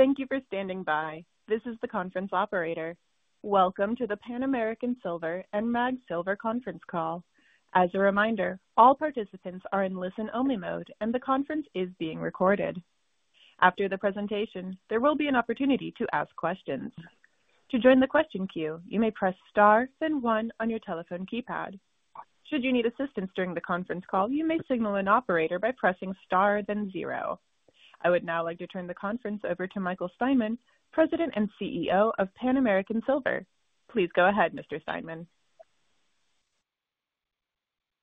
Thank you for standing by. This is the conference operator. Welcome to the Pan American Silver and MAG Silver Conference Call. As a reminder, all participants are in listen-only mode, and the conference is being recorded. After the presentation, there will be an opportunity to ask questions. To join the question queue, you may press star, then one on your telephone keypad. Should you need assistance during the conference call, you may signal an operator by pressing star, then zero. I would now like to turn the conference over to Michael Steinmann, President and CEO of Pan American Silver. Please go ahead, Mr. Steinmann.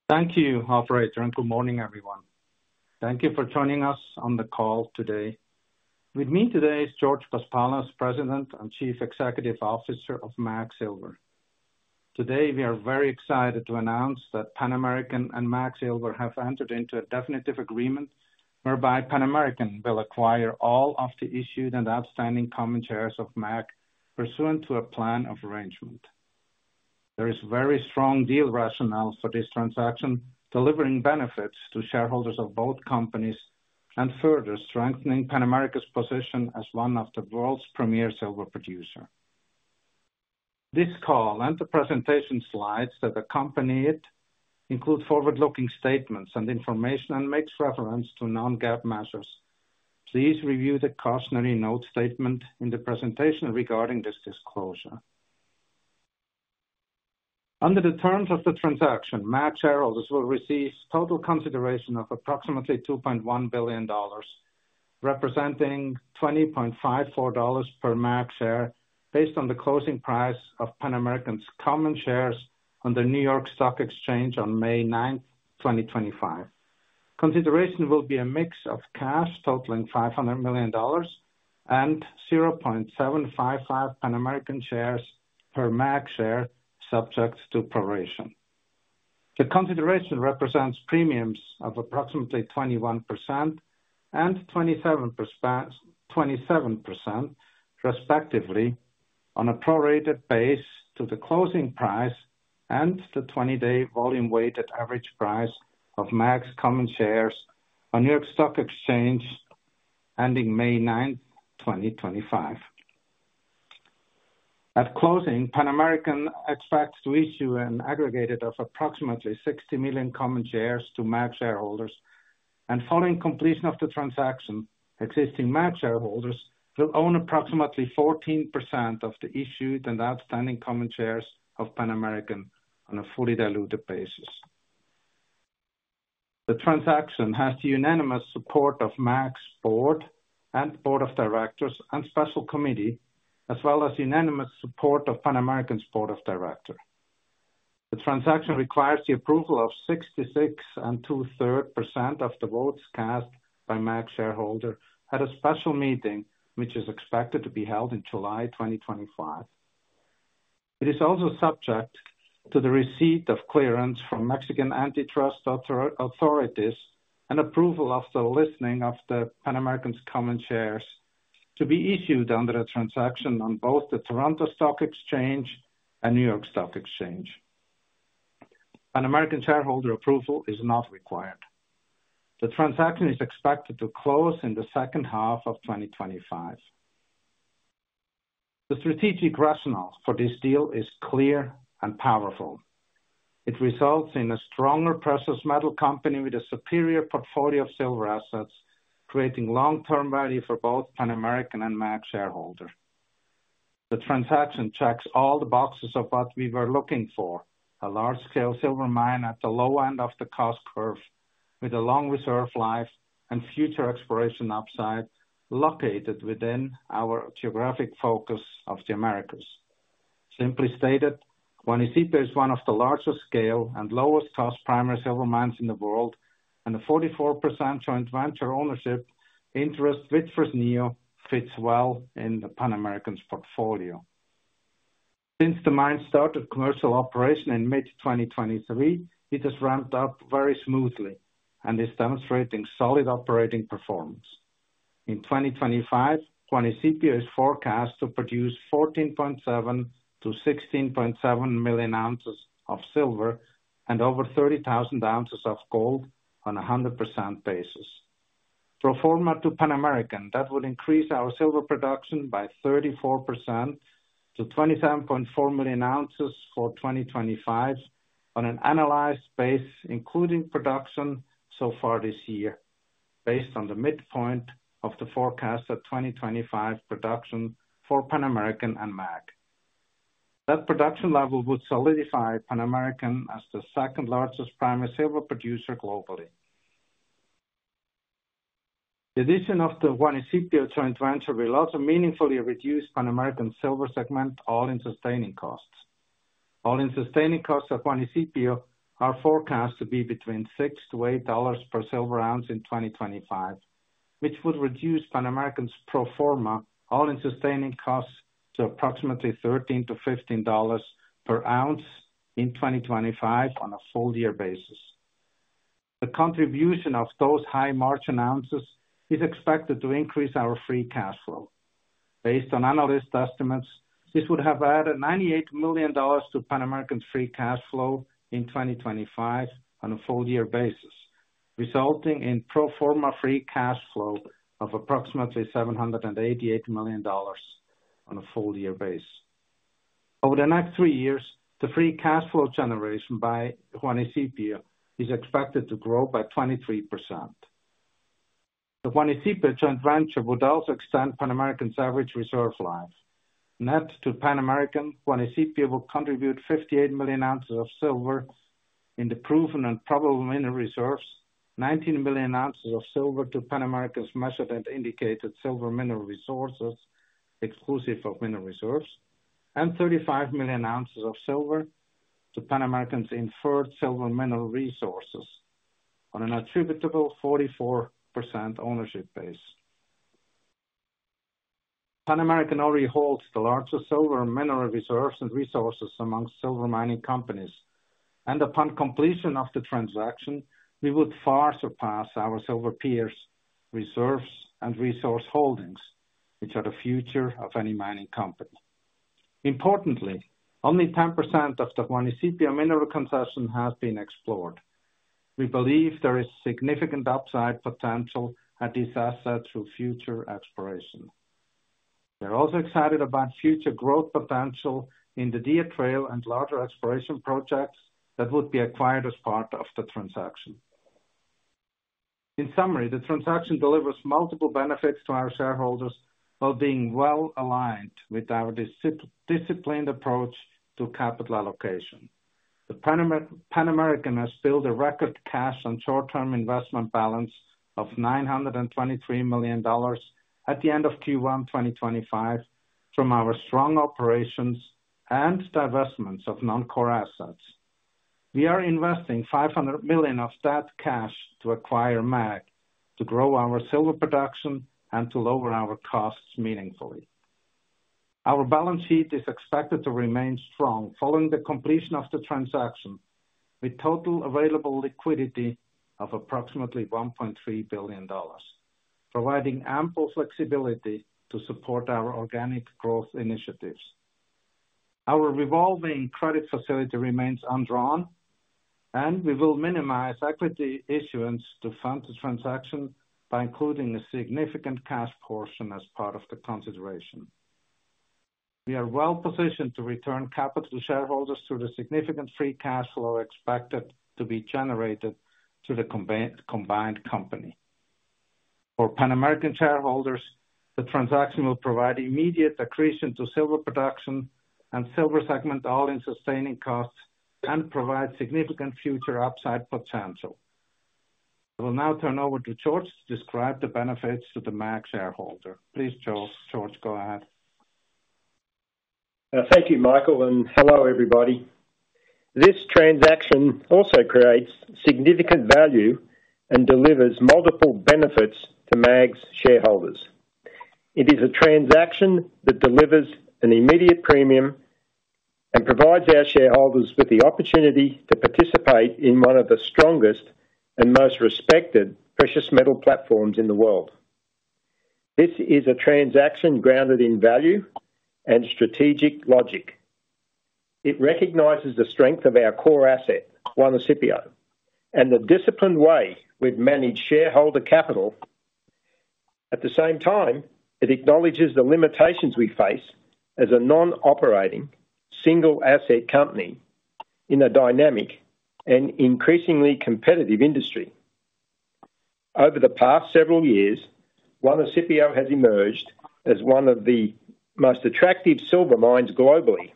Thank you, Harpreet. Good morning, everyone. Thank you for joining us on the call today. With me today is George Paspalas, President and Chief Executive Officer of MAG Silver. Today, we are very excited to announce that Pan American and MAG Silver have entered into a definitive agreement whereby Pan American will acquire all of the issued and outstanding common shares of MAG, pursuant to a plan of arrangement. There is very strong deal rationale for this transaction, delivering benefits to shareholders of both companies and further strengthening Pan American's position as one of the world's premier silver producers. This call and the presentation slides that accompany it include forward-looking statements and information and make reference to non-GAAP measures. Please review the cautionary note statement in the presentation regarding this disclosure. Under the terms of the transaction, MAG shareholders will receive total consideration of approximately $2.1 billion, representing $20.54 per MAG share based on the closing price of Pan American's common shares on the New York Stock Exchange on May 9th, 2025. Consideration will be a mix of cash totaling $500 million and $0.755 Pan American shares per MAG share, subject to proration. The consideration represents premiums of approximately 21% and 27%, respectively, on a prorated base to the closing price and the 20-day volume-weighted average price of MAG's common shares on New York Stock Exchange ending May 9th, 2025. At closing, Pan American expects to issue an aggregate of approximately 60 million common shares to MAG shareholders, and following completion of the transaction, existing MAG shareholders will own approximately 14% of the issued and outstanding common shares of Pan American on a fully diluted basis. The transaction has the unanimous support of MAG's board and Board of Directors and special committee, as well as unanimous support of Pan American's Board of Directors. The transaction requires the approval of 66 and two-thirds % of the votes cast by MAG shareholders at a special meeting, which is expected to be held in July 2025. It is also subject to the receipt of clearance from Mexican antitrust authorities and approval of the listing of Pan American's common shares to be issued under the transaction on both the Toronto Stock Exchange and New York Stock Exchange. Pan American shareholder approval is not required. The transaction is expected to close in the second half of 2025. The strategic rationale for this deal is clear and powerful. It results in a stronger precious metal company with a superior portfolio of silver assets, creating long-term value for both Pan American and MAG shareholders. The transaction checks all the boxes of what we were looking for: a large-scale silver mine at the low end of the cost curve, with a long reserve life and future exploration upside located within our geographic focus of the Americas. Simply stated, Juanicipio is one of the largest scale and lowest-cost primary silver mines in the world, and the 44% joint venture ownership interest with Fresnillo fits well in Pan American's portfolio. Since the mine started commercial operation in mid-2023, it has ramped up very smoothly, and it's demonstrating solid operating performance. In 2025, Juanicipio is forecast to produce 14.7-16.7 million ounces of silver and over 30,000 ounces of gold on a 100% basis. Pro forma to Pan American, that would increase our silver production by 34% to 27.4 million ounces for 2025 on an analyzed base, including production so far this year, based on the midpoint of the forecasted 2025 production for Pan American and MAG. That production level would solidify Pan American as the second-largest primary silver producer globally. The addition of the Juanicipio joint venture will also meaningfully reduce Pan American's silver segment all-in sustaining costs. All-in sustaining costs at Juanicipio are forecast to be between $6-$8 per silver ounce in 2025, which would reduce Pan American's pro forma all-in sustaining costs to approximately $13-$15 per ounce in 2025 on a full-year basis. The contribution of those high-margin ounces is expected to increase our free cash flow. Based on analyst estimates, this would have added $98 million to Pan American's free cash flow in 2025 on a full-year basis, resulting in pro forma free cash flow of approximately $788 million on a full-year basis. Over the next three years, the free cash flow generation by Juanicipio is expected to grow by 23%. The Juanicipio joint venture would also extend Pan American's average reserve life. Net to Pan American, Juanicipio will contribute 58 million ounces of silver in the proven and probable mineral reserves, 19 million ounces of silver to Pan American's measured and indicated silver mineral resources, exclusive of mineral reserves, and 35 million ounces of silver to Pan American's inferred silver mineral resources on an attributable 44% ownership base. Pan American already holds the largest silver mineral reserves and resources among silver mining companies, and upon completion of the transaction, we would far surpass our silver peers, reserves, and resource holdings, which are the future of any mining company. Importantly, only 10% of the Juanicipio mineral concession has been explored. We believe there is significant upside potential at these assets through future exploration. We are also excited about future growth potential in the Deer Trail and Larder exploration projects that would be acquired as part of the transaction. In summary, the transaction delivers multiple benefits to our shareholders while being well-aligned with our disciplined approach to capital allocation. Pan American has built a record cash and short-term investment balance of $923 million at the end of Q1 2025 from our strong operations and divestments of non-core assets. We are investing $500 million of that cash to acquire MAG, to grow our silver production, and to lower our costs meaningfully. Our balance sheet is expected to remain strong following the completion of the transaction, with total available liquidity of approximately $1.3 billion, providing ample flexibility to support our organic growth initiatives. Our revolving credit facility remains undrawn, and we will minimize equity issuance to fund the transaction by including a significant cash portion as part of the consideration. We are well-positioned to return capital to shareholders through the significant free cash flow expected to be generated through the combined company. For Pan American shareholders, the transaction will provide immediate accretion to silver production and silver segment all-in sustaining costs and provide significant future upside potential. I will now turn over to George to describe the benefits to the MAG shareholder. Please, George, go ahead. Thank you, Michael, and hello, everybody. This transaction also creates significant value and delivers multiple benefits to MAG's shareholders. It is a transaction that delivers an immediate premium and provides our shareholders with the opportunity to participate in one of the strongest and most respected precious metal platforms in the world. This is a transaction grounded in value and strategic logic. It recognizes the strength of our core asset, Juanicipio, and the disciplined way we've managed shareholder capital. At the same time, it acknowledges the limitations we face as a non-operating single asset company in a dynamic and increasingly competitive industry. Over the past several years, Juanicipio has emerged as one of the most attractive silver mines globally,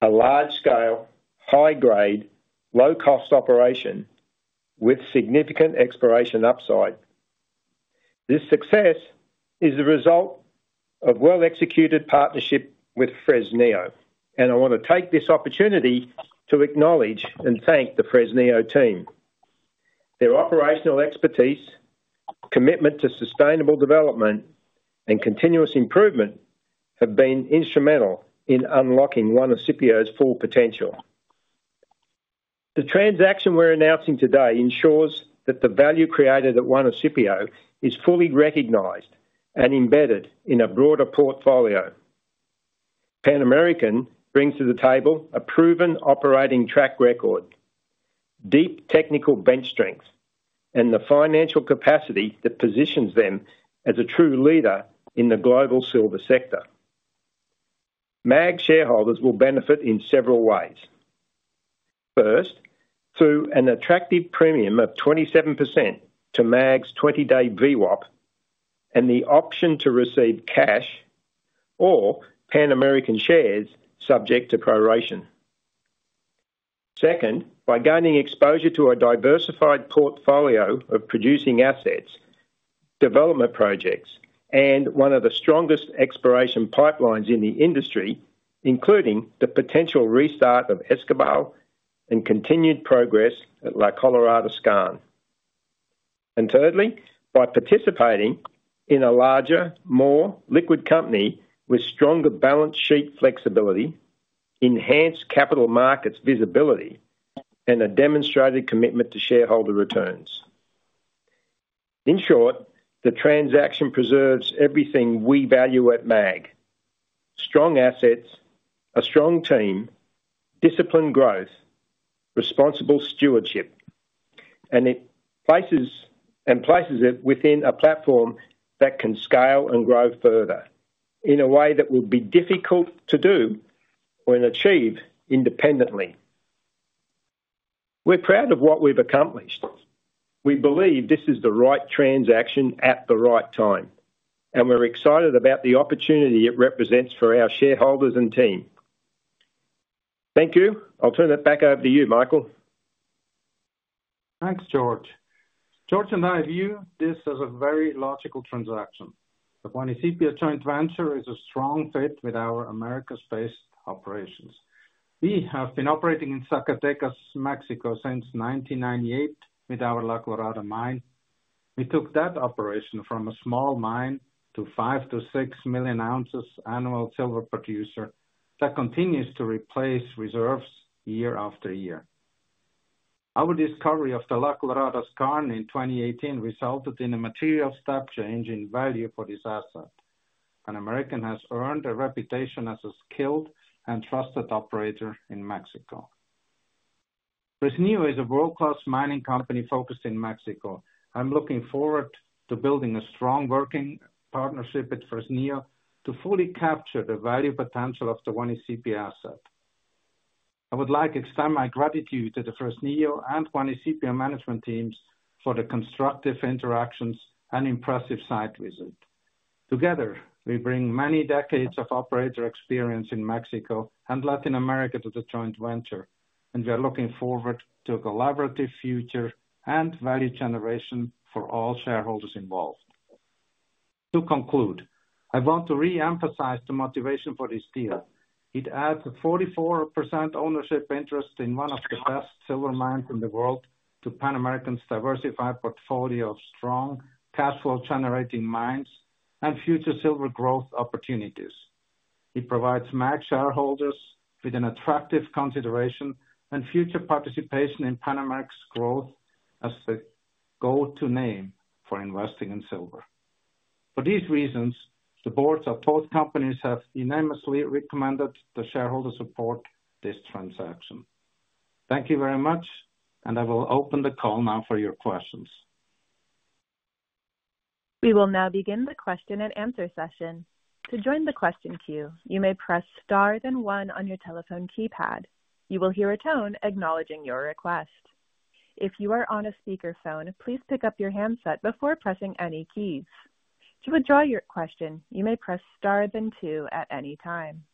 a large-scale, high-grade, low-cost operation with significant exploration upside. This success is the result of well-executed partnership with Fresnillo, and I want to take this opportunity to acknowledge and thank the Fresnillo team. Their operational expertise, commitment to sustainable development, and continuous improvement have been instrumental in unlocking Juanicipio's full potential. The transaction we're announcing today ensures that the value created at Juanicipio is fully recognized and embedded in a broader portfolio. Pan American brings to the table a proven operating track record, deep technical bench strength, and the financial capacity that positions them as a true leader in the global silver sector. MAG shareholders will benefit in several ways. First, through an attractive premium of 27% to MAG's 20-day VWAP and the option to receive cash or Pan American shares subject to proration. Second, by gaining exposure to a diversified portfolio of producing assets, development projects, and one of the strongest exploration pipelines in the industry, including the potential restart of Escobal and continued progress at La Colorada Skarn. Thirdly, by participating in a larger, more liquid company with stronger balance sheet flexibility, enhanced capital markets visibility, and a demonstrated commitment to shareholder returns. In short, the transaction preserves everything we value at MAG: strong assets, a strong team, disciplined growth, responsible stewardship, and it places it within a platform that can scale and grow further in a way that would be difficult to do or achieve independently. We're proud of what we've accomplished. We believe this is the right transaction at the right time, and we're excited about the opportunity it represents for our shareholders and team. Thank you. I'll turn it back over to you, Michael. Thanks, George. George and I view this as a very logical transaction. The Juanicipio joint venture is a strong fit with our Americas-based operations. We have been operating in Zacatecas, Mexico, since 1998 with our La Colorada mine. We took that operation from a small mine to a 5-6 million ounces annual silver producer that continues to replace reserves year after year. Our discovery of the La Colorada Skarn in 2018 resulted in a material step change in value for this asset. Pan American has earned a reputation as a skilled and trusted operator in Mexico. Fresnillo is a world-class mining company focused in Mexico. I'm looking forward to building a strong working partnership with Fresnillo to fully capture the value potential of the Juanicipio asset. I would like to extend my gratitude to the Fresnillo and Juanicipio management teams for the constructive interactions and impressive site visit. Together, we bring many decades of operator experience in Mexico and Latin America to the joint venture, and we are looking forward to a collaborative future and value generation for all shareholders involved. To conclude, I want to reemphasize the motivation for this deal. It adds a 44% ownership interest in one of the best silver mines in the world to Pan American's diversified portfolio of strong cash flow-generating mines and future silver growth opportunities. It provides MAG shareholders with an attractive consideration and future participation in Pan American's growth as the go-to name for investing in silver. For these reasons, the boards of both companies have unanimously recommended the shareholder support of this transaction. Thank you very much, and I will open the call now for your questions. We will now begin the question and answer session. To join the question queue, you may press star then one on your telephone keypad. You will hear a tone acknowledging your request. If you are on a speakerphone, please pick up your handset before pressing any keys. To withdraw your question, you may press star then two at any time.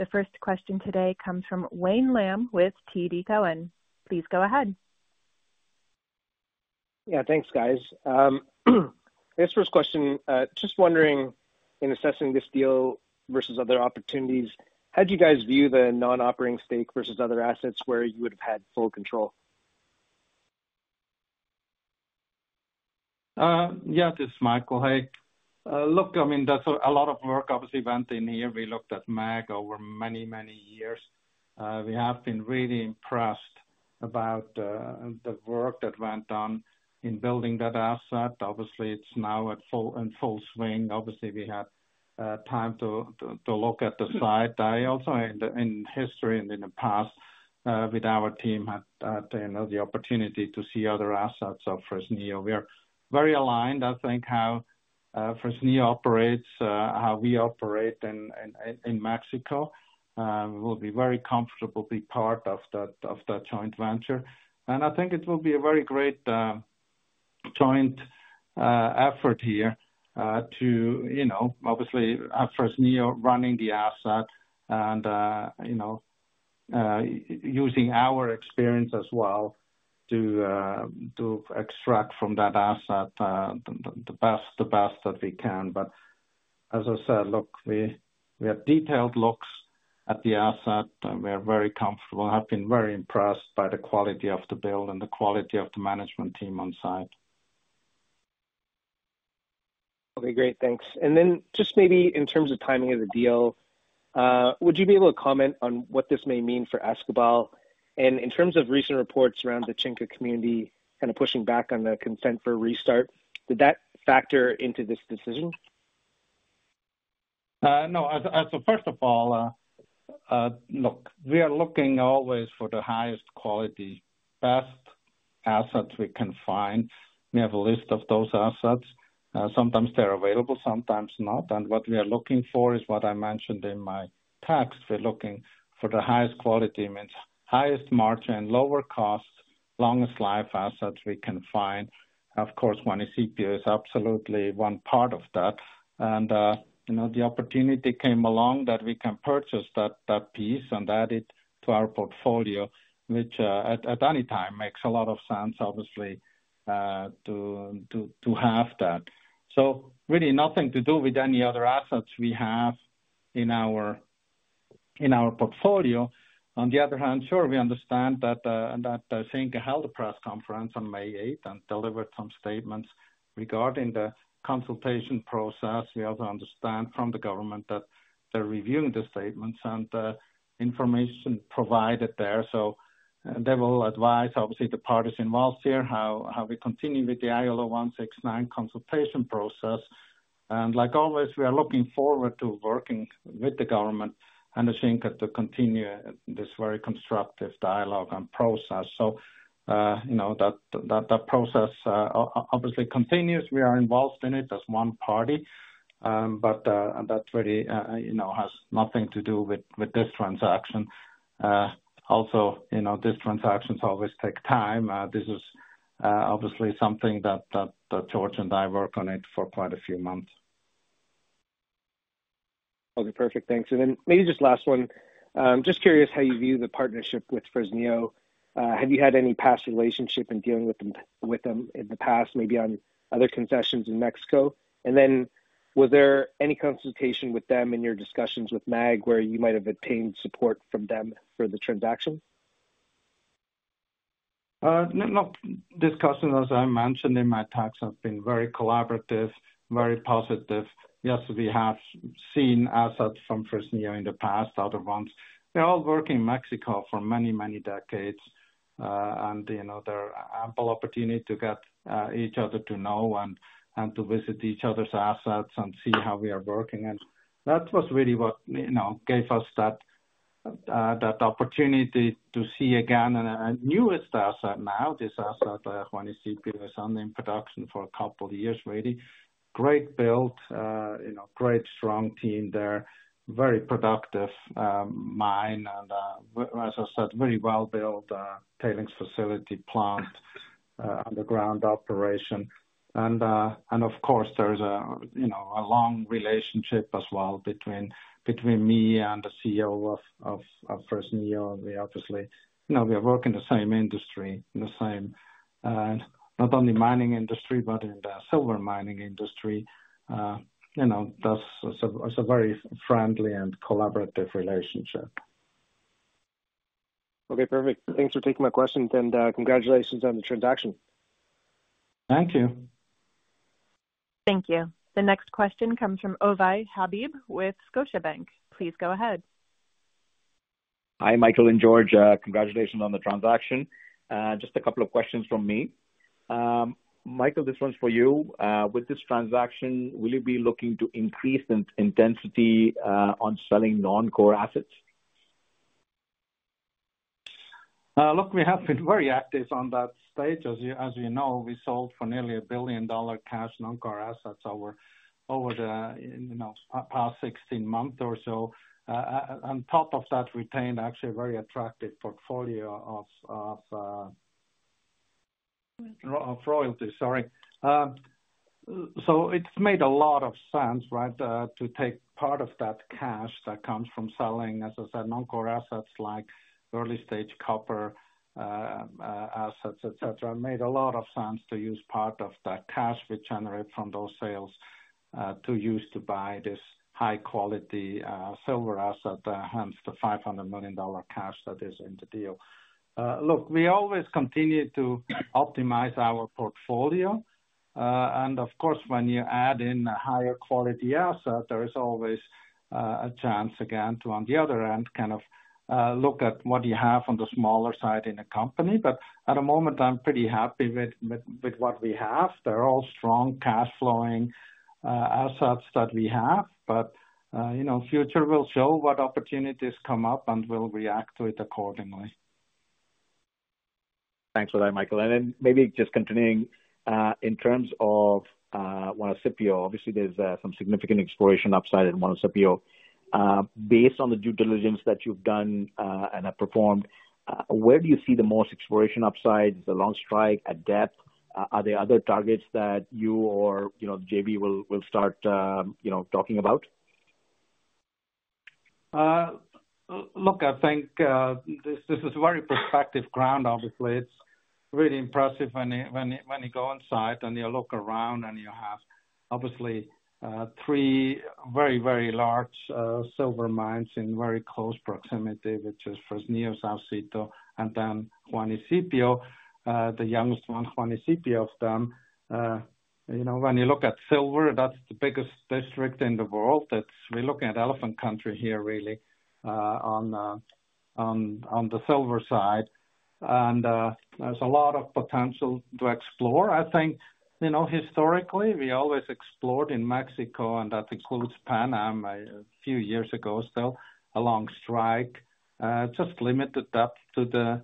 The first question today comes from Wayne Lam with TD Cowen. Please go ahead. Yeah, thanks, guys. This first question, just wondering, in assessing this deal versus other opportunities, how do you guys view the non-operating stake versus other assets where you would have had full control? Yeah, this is Michael Steinmann. Look, I mean, that's a lot of work, obviously, went in here. We looked at MAG over many, many years. We have been really impressed about the work that went on in building that asset. Obviously, it's now in full swing. Obviously, we had time to look at the site. I also, in history and in the past, with our team, had the opportunity to see other assets of Fresnillo. We are very aligned, I think, how Fresnillo operates, how we operate in Mexico. We will be very comfortable being part of that joint venture. I think it will be a very great joint effort here to, obviously, have Fresnillo running the asset and using our experience as well to extract from that asset the best that we can. As I said, look, we had detailed looks at the asset. We are very comfortable. I've been very impressed by the quality of the build and the quality of the management team on site. Okay, great. Thanks. Just maybe in terms of timing of the deal, would you be able to comment on what this may mean for Escobal? In terms of recent reports around the Cienega community kind of pushing back on the consent for restart, did that factor into this decision? No. First of all, look, we are looking always for the highest quality, best assets we can find. We have a list of those assets. Sometimes they're available, sometimes not. What we are looking for is what I mentioned in my text. We're looking for the highest quality, means highest margin, lower cost, longest life assets we can find. Of course, Juanicipio is absolutely one part of that. The opportunity came along that we can purchase that piece and add it to our portfolio, which at any time makes a lot of sense, obviously, to have that. Really nothing to do with any other assets we have in our portfolio. On the other hand, sure, we understand that Cienega held a press conference on May 8th and delivered some statements regarding the consultation process. We also understand from the government that they're reviewing the statements and the information provided there. They will advise, obviously, the parties involved here how we continue with the ILO 169 consultation process. Like always, we are looking forward to working with the government and the Cienega to continue this very constructive dialogue and process. That process obviously continues. We are involved in it as one party, but that really has nothing to do with this transaction. Also, this transaction always takes time. This is obviously something that George and I worked on for quite a few months. Okay, perfect. Thanks. Maybe just last one. I'm just curious how you view the partnership with Fresnillo. Have you had any past relationship in dealing with them in the past, maybe on other concessions in Mexico? Was there any consultation with them in your discussions with MAG where you might have obtained support from them for the transaction? Look, discussions, as I mentioned in my text, have been very collaborative, very positive. Yes, we have seen assets from Fresnillo in the past, other ones. They're all working in Mexico for many, many decades. There are ample opportunities to get each other to know and to visit each other's assets and see how we are working. That was really what gave us that opportunity to see again a newest asset now. This asset, Juanicipio, is under production for a couple of years, really. Great build, great strong team there, very productive mine. As I said, very well-built tailings facility plant, underground operation. Of course, there's a long relationship as well between me and the CEO of Fresnillo. We obviously work in the same industry, the same not only mining industry, but in the silver mining industry. That's a very friendly and collaborative relationship. Okay, perfect. Thanks for taking my questions. Congratulations on the transaction. Thank you. Thank you. The next question comes from Ovais Habib with Scotiabank. Please go ahead. Hi, Michael and George. Congratulations on the transaction. Just a couple of questions from me. Michael, this one's for you. With this transaction, will you be looking to increase the intensity on selling non-core assets? Look, we have been very active on that stage. As you know, we sold for nearly $1 billion cash non-core assets over the past 16 months or so. On top of that, we obtained actually a very attractive portfolio of royalties. Sorry. So it has made a lot of sense, right, to take part of that cash that comes from selling, as I said, non-core assets like early-stage copper assets, etc. It made a lot of sense to use part of that cash we generate from those sales to use to buy this high-quality silver asset hencethe $500 million cash that is in the deal. Look, we always continue to optimize our portfolio. Of course, when you add in a higher quality asset, there is always a chance again to, on the other end, kind of look at what you have on the smaller side in a company. At the moment, I'm pretty happy with what we have. They're all strong cash-flowing assets that we have. The future will show what opportunities come up, and we'll react to it accordingly. Thanks for that, Michael. Maybe just continuing, in terms of Juanicipio, obviously, there's some significant exploration upside in Juanicipio. Based on the due diligence that you've done and have performed, where do you see the most exploration upside? Is it along strike, at-depth? Are there other targets that you or JB will start talking about? Look, I think this is very prospective ground, obviously. It's really impressive when you go on site and you look around and you have, obviously, three very, very large silver mines in very close proximity, which is Fresnillo, Saucito, and then Juanicipio, the youngest one, Juanicipio of them. When you look at silver, that's the biggest district in the world. We're looking at elephant country here, really, on the silver side. And there's a lot of potential to explore. I think historically, we always explored in Mexico, and that includes Pan American a few years ago still, along strike, just limited depth to the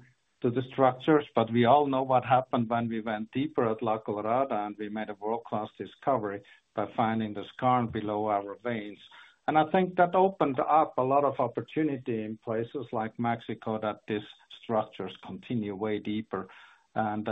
structures. But we all know what happened when we went deeper at La Colorada, and we made a world-class discovery by finding the skarn below our veins. I think that opened up a lot of opportunity in places like Mexico that these structures continue way deeper and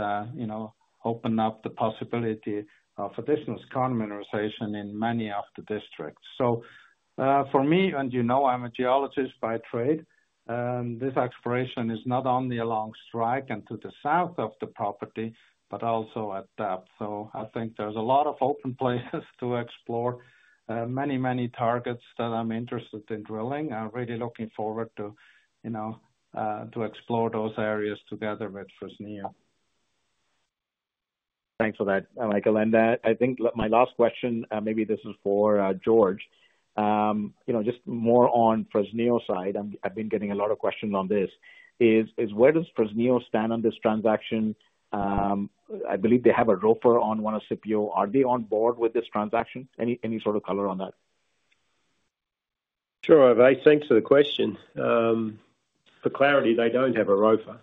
open up the possibility of additional skarn mineralization in many of the districts. For me, and you know I'm a geologist by trade, this exploration is not only along strike and to the south of the property, but also at depth. I think there's a lot of open places to explore, many, many targets that I'm interested in drilling. I'm really looking forward to explore those areas together with Fresnillo. Thanks for that, Michael. I think my last question, maybe this is for George, just more on Fresnillo side. I've been getting a lot of questions on this. Where does Fresnillo stand on this transaction? I believe they have a rover on Juanicipio. Are they on board with this transaction? Any sort of color on that? Sure. I think to the question, for clarity, they don't have a rover.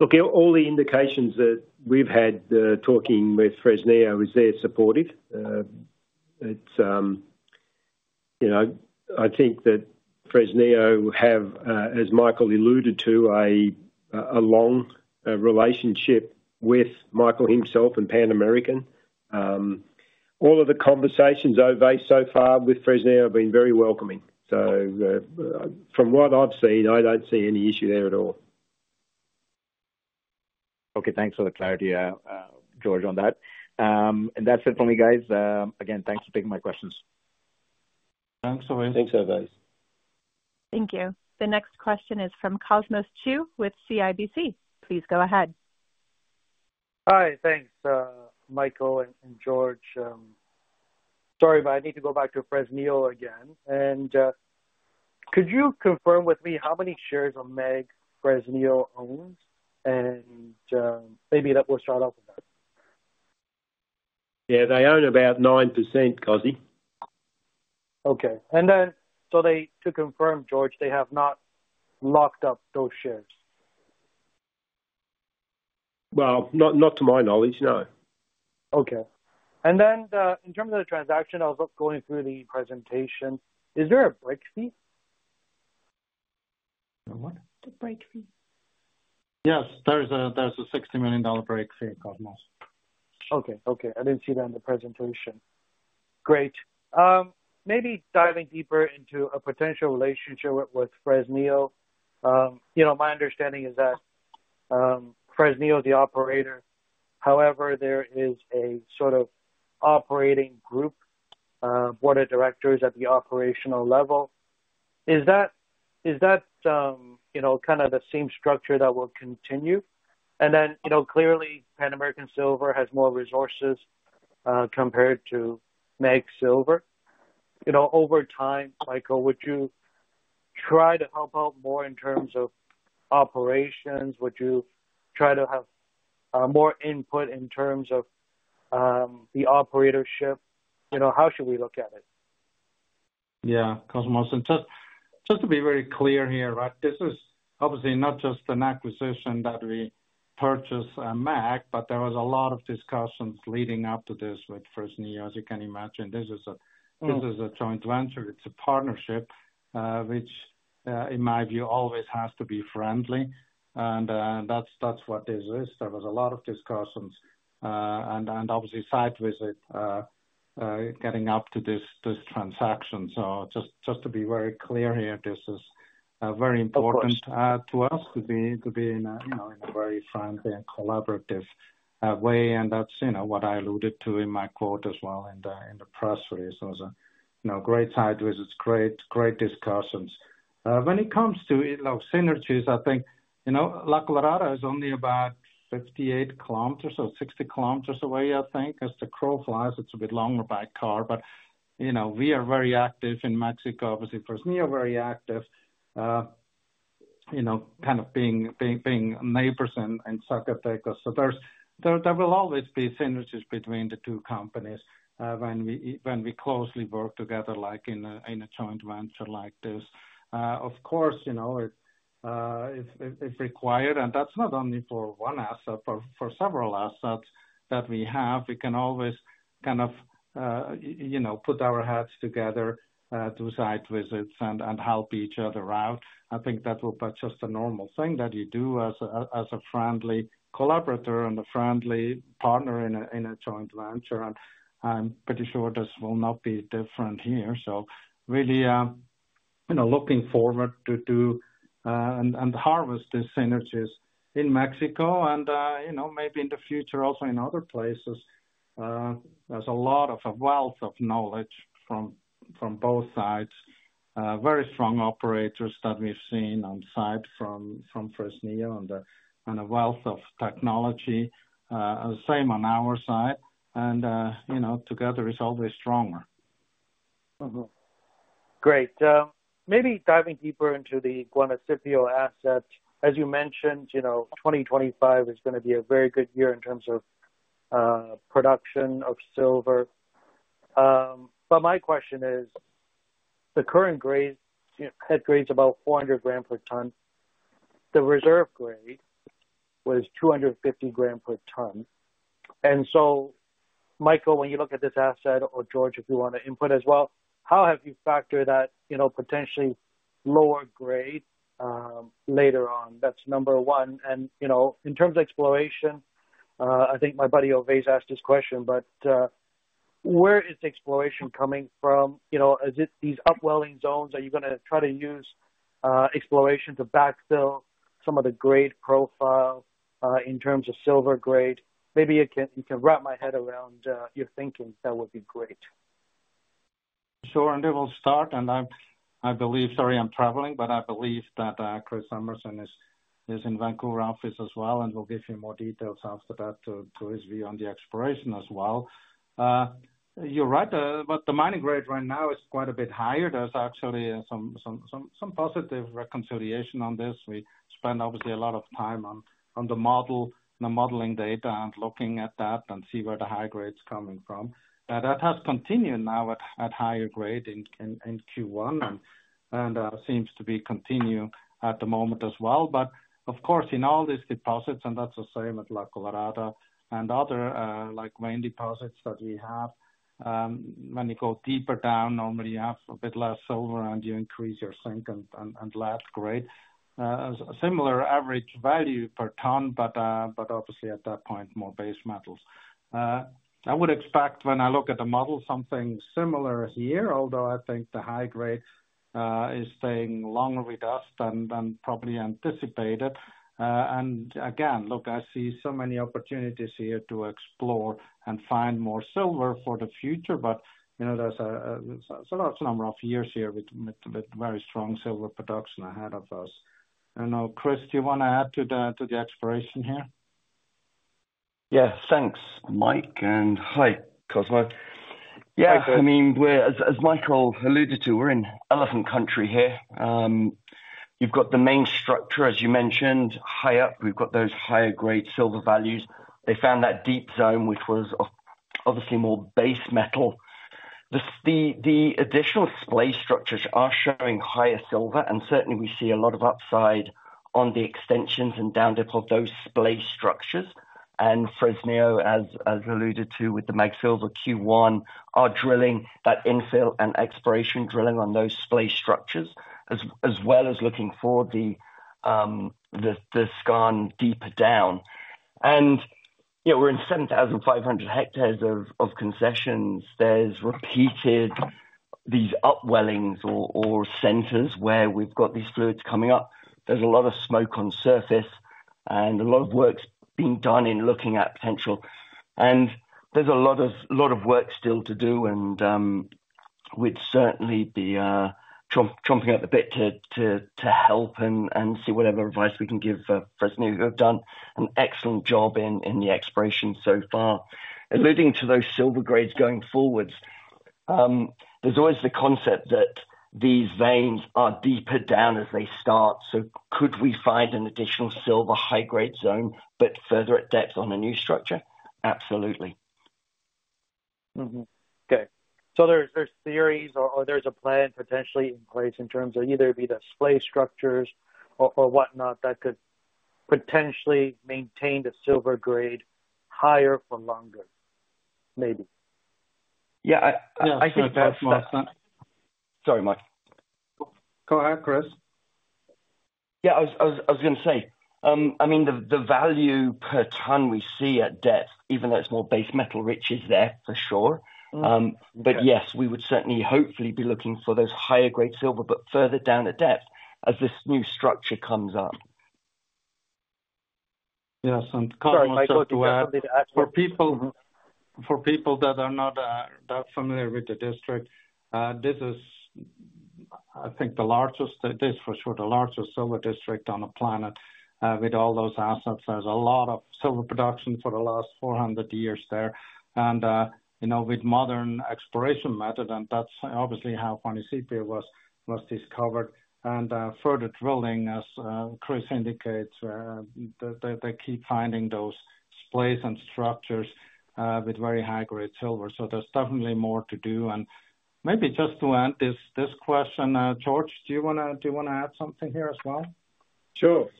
Look, all the indications that we've had talking with Fresnillo is they're supportive. I think that Fresnillo have, as Michael alluded to, a long relationship with Michael himself and Pan American. All of the conversations, Ovais, so far with Fresnillo have been very welcoming. From what I've seen, I don't see any issue there at all. Okay, thanks for the clarity, George, on that. That is it for me, guys. Again, thanks for taking my questions. Thanks, Ovais. Thanks, Ovais. Thank you. The next question is from Cosmos Chiu with CIBC. Please go ahead. Hi, thanks, Michael and George. Sorry, but I need to go back to Fresnillo again. Could you confirm with me how many shares of MAG Fresnillo owns? Maybe that will start off with that. Yeah, they own about 9%, Cosi. Okay. And then to confirm, George, they have not locked up those shares? Not to my knowledge, no. Okay. In terms of the transaction, I was going through the presentation, is there a break fee? What? The break fee? Yes, there's a $60 million break fee, Cosmos. Okay. Okay. I did not see that in the presentation. Great. Maybe diving deeper into a potential relationship with Fresnillo. My understanding is that Fresnillo is the operator. However, there is a sort of operating group, Board of Directors at the operational level. Is that kind of the same structure that will continue? Clearly, Pan American Silver has more resources compared to MAG Silver. Over time, Michael, would you try to help out more in terms of operations? Would you try to have more input in terms of the operatorship? How should we look at it? Yeah, Cosmos. Just to be very clear here, right, this is obviously not just an acquisition that we purchased at MAG, but there was a lot of discussions leading up to this with Fresnillo. As you can imagine, this is a joint venture. It's a partnership, which in my view, always has to be friendly. That is what this is. There was a lot of discussions and obviously site visit getting up to this transaction. Just to be very clear here, this is very important to us to be in a very friendly and collaborative way. That is what I alluded to in my quote as well in the press release. It was a great site visits, great discussions. When it comes to synergies, I think La Colorada is only about 58 km or 60 km away, I think, as the crow flies. It's a bit longer by car. We are very active in Mexico, obviously, Fresnillo very active, kind of being neighbors in Zacatecas. There will always be synergies between the two companies when we closely work together like in a joint venture like this. Of course, if required, and that is not only for one asset, for several assets that we have, we can always kind of put our heads together to site visits and help each other out. I think that will be just a normal thing that you do as a friendly collaborator and a friendly partner in a joint venture. I am pretty sure this will not be different here. Really looking forward to do and harvest these synergies in Mexico and maybe in the future also in other places. There's a lot of wealth of knowledge from both sides, very strong operators that we've seen on site from Fresnillo and a wealth of technology, same on our side. Together it's always stronger. Great. Maybe diving deeper into the Juanicipio asset. As you mentioned, 2025 is going to be a very good year in terms of production of silver. My question is, the current head grade is about 400 grams per ton. The reserve grade was 250 grams per ton. Michael, when you look at this asset, or George, if you want to input as well, how have you factored that potentially lower grade later on? That's number one. In terms of exploration, I think my buddy Ovais asked this question, but where is the exploration coming from? Is it these upwelling zones? Are you going to try to use exploration to backfill some of the grade profile in terms of silver grade? Maybe you can wrap my head around your thinking. That would be great. Sure. I will start, and I believe—sorry, I'm traveling—but I believe that Chris Emerson is in the Vancouver office as well and will give you more details after that to his view on the exploration as well. You're right. The mining grade right now is quite a bit higher. There's actually some positive reconciliation on this. We spend obviously a lot of time on the model and the modeling data and looking at that and see where the high grade's coming from. That has continued now at higher grade in Q1 and seems to be continuing at the moment as well. Of course, in all these deposits, and that's the same at La Colorada and other main deposits that we have, when you go deeper down, normally you have a bit less silver and you increase your zinc and lead grade. Similar average value per ton, but obviously at that point, more base metals. I would expect when I look at the model, something similar here, although I think the high grade is staying longer with us than probably anticipated. Again, look, I see so many opportunities here to explore and find more silver for the future, but there is a large number of years here with very strong silver production ahead of us. I do not know, Chris, do you want to add to the exploration here? Yeah, thanks, Mike. And hi, Cosmos. Yeah, I mean, as Michael alluded to, we're in elephant country here. You've got the main structure, as you mentioned, high up. We've got those higher grade silver values. They found that deep zone, which was obviously more base metal. The additional splay structures are showing higher silver, and certainly we see a lot of upside on the extensions and down dip of those splay structures. And Fresnillo, as alluded to with the MAG Silver Q1, are drilling that infill and exploration drilling on those splay structures, as well as looking for the skarn deeper down. And we're in 7,500 hectares of concessions. There's repeated these upwellings or centers where we've got these fluids coming up. There's a lot of smoke on surface and a lot of work being done in looking at potential. There is a lot of work still to do, and we would certainly be chomping at the bit to help and see whatever advice we can give Fresnillo. You have done an excellent job in the exploration so far. Alluding to those silver grades going forward, there is always the concept that these veins are deeper down as they start. Could we find an additional silver high grade zone, but further at depth on a new structure? Absolutely. Okay. So there's theories or there's a plan potentially in place in terms of either be the splay structures or whatnot that could potentially maintain the silver grade higher for longer, maybe. Yeah, I think that's my—sorry, Mike. Go ahead, Chris. Yeah, I was going to say, I mean, the value per ton we see at depth, even though it's more base metal rich, is there for sure. Yes, we would certainly hopefully be looking for those higher grade silver, but further down at depth as this new structure comes up. Yes. Sorry, Michael, just something to add to that. For people that are not that familiar with the district, this is, I think, the largest—this for sure—the largest silver district on the planet with all those assets. There is a lot of silver production for the last 400 years there. With modern exploration method, and that is obviously how Juanicipio was discovered. Further drilling, as Chris indicates, they keep finding those splays and structures with very high grade silver. There is definitely more to do. Maybe just to end this question, George, do you want to add something here as well? Sure.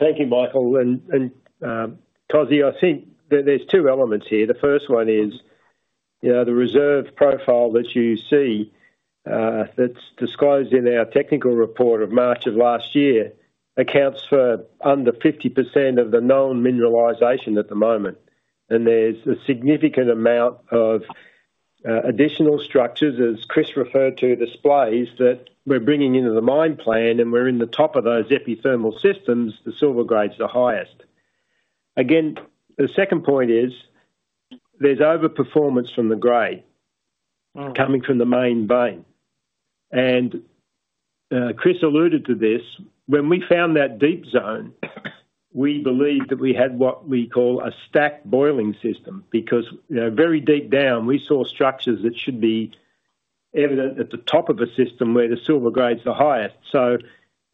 Thank you, Michael. And Cosi, I think there are two elements here. The first one is the reserve profile that you see that is disclosed in our technical report of March of last year accounts for under 50% of the known mineralization at the moment. There is a significant amount of additional structures, as Chris referred to, the splays that we are bringing into the mine plan, and we are in the top of those epithermal systems, the silver grades are highest. Again, the second point is there is overperformance from the grade coming from the main vein. Chris alluded to this. When we found that deep zone, we believed that we had what we call a stack boiling system because very deep down, we saw structures that should be evident at the top of a system where the silver grades are highest.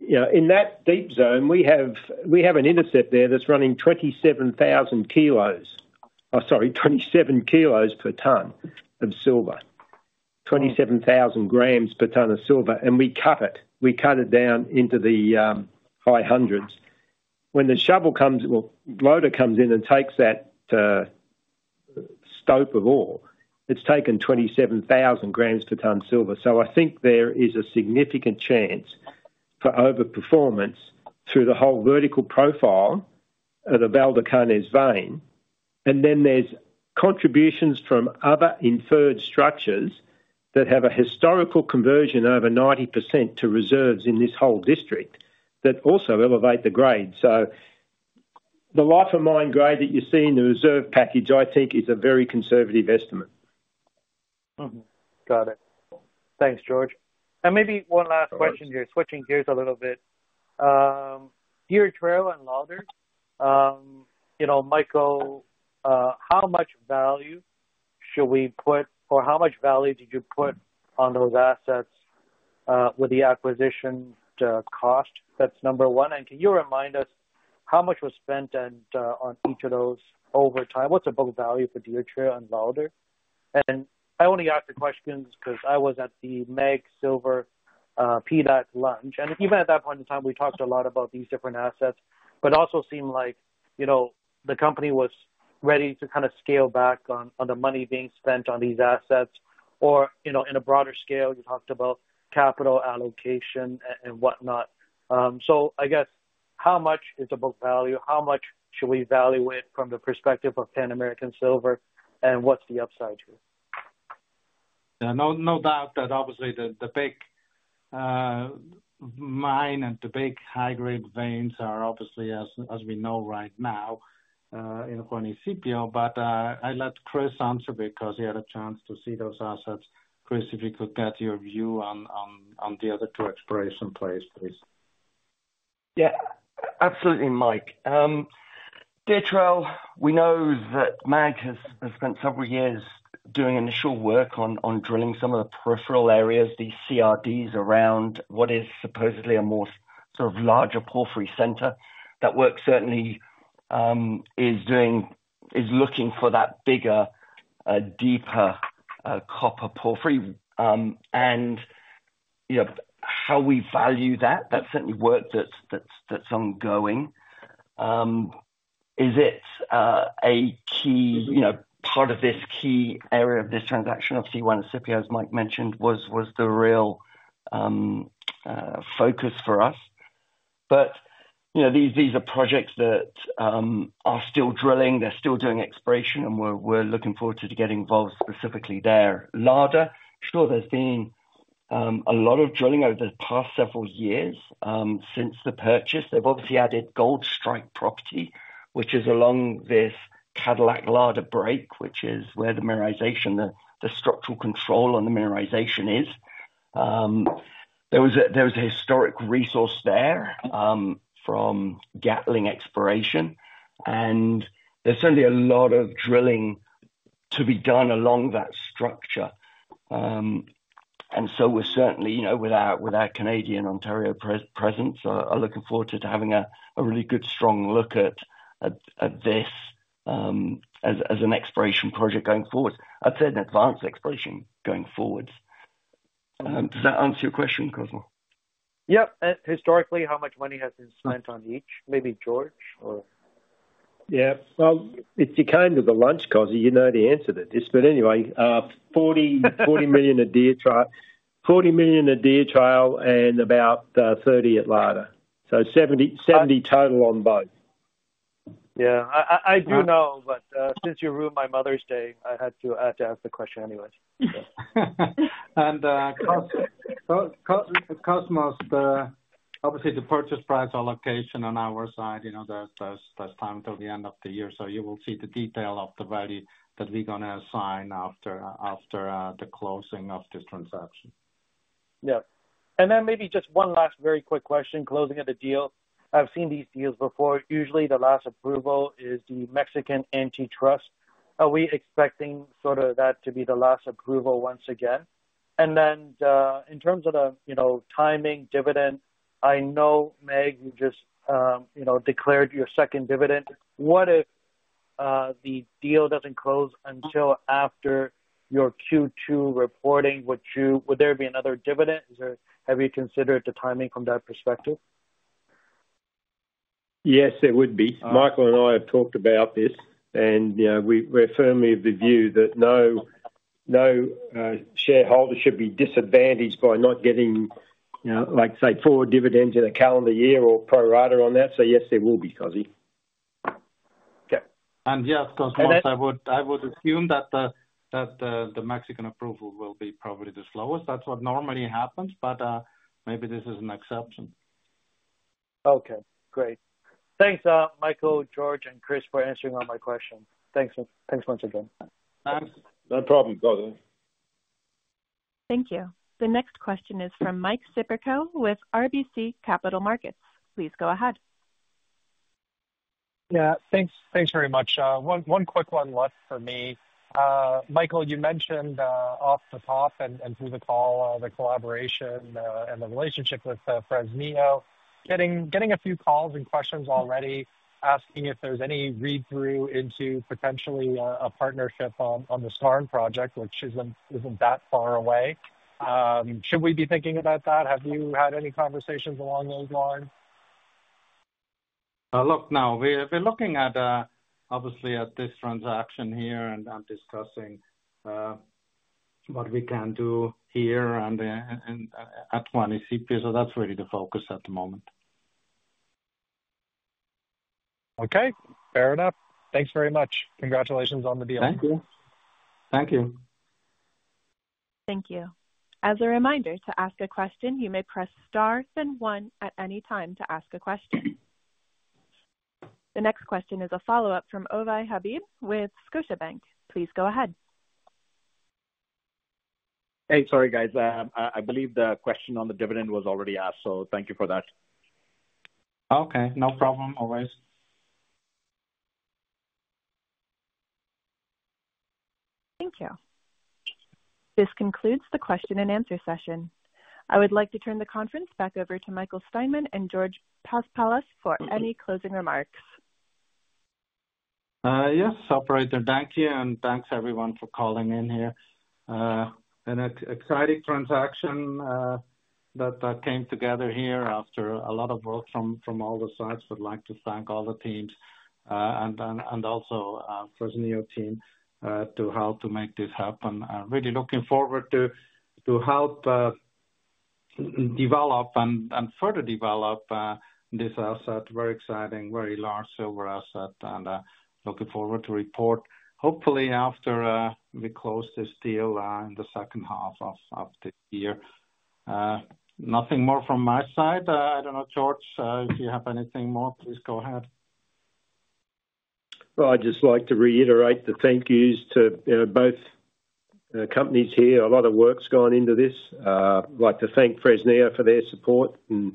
In that deep zone, we have an intercept there that's running 27,000 kilos—sorry, 27 kilos per ton of silver, 27,000 grams per ton of silver. We cut it. We cut it down into the high hundreds. When the shovel comes, loader comes in and takes that stope of ore, it's taking 27,000 grams per ton silver. I think there is a significant chance for overperformance through the whole vertical profile of the Valdecarnes vein. There are contributions from other inferred structures that have a historical conversion over 90% to reserves in this whole district that also elevate the grade. The life of mine grade that you see in the reserve package, I think, is a very conservative estimate. Got it. Thanks, George. Maybe one last question here, switching gears a little bit. Deer Trail and Larder, Michael, how much value should we put or how much value did you put on those assets with the acquisition cost? That's number one. Can you remind us how much was spent on each of those over time? What's the book value for Deer Trail and Larder? I only ask the questions because I was at the MAG Silver PDAC lunch. Even at that point in time, we talked a lot about these different assets, but it also seemed like the company was ready to kind of scale back on the money being spent on these assets. In a broader scale, you talked about capital allocation and whatnot. I guess how much is the book value? How much should we evaluate from the perspective of Pan American Silver? What's the upside here? Yeah. No doubt that obviously the big mine and the big high-grade veins are obviously, as we know right now, in Juanicipio. I let Chris answer because he had a chance to see those assets. Chris, if you could get your view on the other two exploration plays, please. Yeah. Absolutely, Mike. Deer Trail, we know that MAG has spent several years doing initial work on drilling some of the peripheral areas, the CRDs around what is supposedly a more sort of larger porphyry center. That work certainly is looking for that bigger, deeper copper porphyry. And how we value that, that's certainly work that's ongoing. Is it a key part of this key area of this transaction? Obviously, Juanicipio, as Mike mentioned, was the real focus for us. These are projects that are still drilling. They're still doing exploration, and we're looking forward to getting involved specifically there. Larder, sure, there's been a lot of drilling over the past several years since the purchase. They've obviously added Goldstrike property, which is along this Cadillac Larder break, which is where the mineralization, the structural control on the mineralization is. There was a historic resource there from Gatling Exploration. There is certainly a lot of drilling to be done along that structure. We are certainly, with our Canadian Ontario presence, looking forward to having a really good, strong look at this as an exploration project going forward. I would say an advanced exploration going forward. Does that answer your question, Cosmos? Yep. Historically, how much money has been spent on each? Maybe George or? Yeah. It depends with the lunch, Cosi. You know the answer to this. Anyway, $40 million at Deer Trail, $40 million at Deer Trail, and about $30 million at Larder. $70 million total on both. Yeah. I do know, but since you ruined my Mother's Day, I had to ask the question anyways. Cosmos, obviously, the purchase price allocation on our side, there's time until the end of the year. You will see the detail of the value that we're going to assign after the closing of this transaction. Yep. And then maybe just one last very quick question, closing of the deal. I've seen these deals before. Usually, the last approval is the Mexican antitrust. Are we expecting sort of that to be the last approval once again? And then in terms of the timing dividend, I know, MAG, you just declared your second dividend. What if the deal doesn't close until after your Q2 reporting? Would there be another dividend? Have you considered the timing from that perspective? Yes, there would be. Michael and I have talked about this, and we're firmly of the view that no shareholder should be disadvantaged by not getting, like, say, four dividends in a calendar year or pro rata on that. So yes, there will be, Cosi. Okay. Yeah, Cosmos, I would assume that the Mexican approval will be probably the slowest. That's what normally happens, but maybe this is an exception. Okay. Great. Thanks, Michael, George, and Chris for answering all my questions. Thanks once again. Thanks. No problem. Go ahead. Thank you. The next question is from Mike Siperco with RBC Capital Markets. Please go ahead. Yeah. Thanks very much. One quick one left for me. Michael, you mentioned off the top and through the call, the collaboration and the relationship with Fresnillo. Getting a few calls and questions already asking if there's any read-through into potentially a partnership on the Skarn project, which isn't that far away. Should we be thinking about that? Have you had any conversations along those lines? Look, now, we're looking at, obviously, at this transaction here and discussing what we can do here and at Juanicipio. So that's really the focus at the moment. Okay. Fair enough. Thanks very much. Congratulations on the deal. Thank you. Thank you. Thank you. As a reminder, to ask a question, you may press star then one at any time to ask a question. The next question is a follow-up from Ovais Habib with Scotiabank. Please go ahead. Hey, sorry, guys. I believe the question on the dividend was already asked, so thank you for that. Okay. No problem. Always. Thank you. This concludes the question and answer session. I would like to turn the conference back over to Michael Steinmann and George Paspalas for any closing remarks. Yes, Operator, thank you. Thank you everyone for calling in here. An exciting transaction that came together here after a lot of work from all the sides. We'd like to thank all the teams and also Fresnillo team to help to make this happen. Really looking forward to help develop and further develop this asset. Very exciting, very large silver asset. Looking forward to report, hopefully, after we close this deal in the second half of the year. Nothing more from my side. I don't know, George, if you have anything more, please go ahead. I would just like to reiterate the thank yous to both companies here. A lot of work's gone into this. I would like to thank Fresnillo for their support. I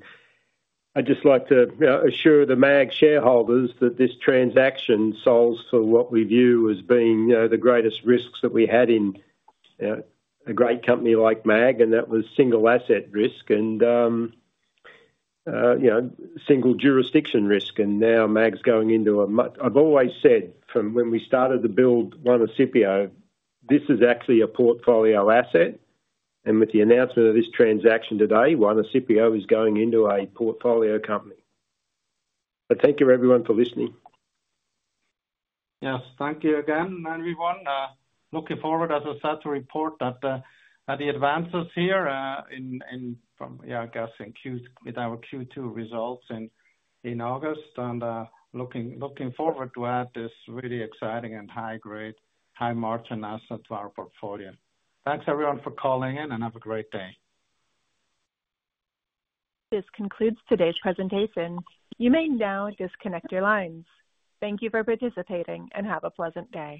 would just like to assure the MAG shareholders that this transaction solves for what we view as being the greatest risks that we had in a great company like MAG, and that was single asset risk and single jurisdiction risk. Now MAG's going into a—I have always said from when we started to build Juanicipio, this is actually a portfolio asset. With the announcement of this transaction today, Juanicipio is going into a portfolio company. Thank you, everyone, for listening. Yes. Thank you again, everyone. Looking forward, as I said, to report the advances here in, yeah, I guess, with our Q2 results in August. Looking forward to add this really exciting and high-grade, high-margin asset to our portfolio. Thanks, everyone, for calling in, and have a great day. This concludes today's presentation. You may now disconnect your lines. Thank you for participating and have a pleasant day.